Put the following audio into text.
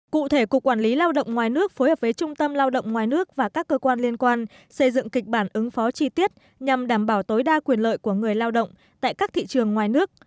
cụ thể cục quản lý lao động ngoài nước phối hợp với trung tâm lao động ngoài nước và các cơ quan liên quan xây dựng kịch bản ứng phó chi tiết nhằm đảm bảo tối đa quyền lợi của người lao động tại các thị trường ngoài nước